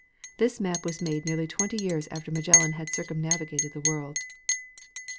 This map was made nearly twenty years after Magellan had circumnavigated the world.